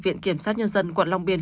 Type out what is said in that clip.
viện kiểm sát nhân dân quận long biên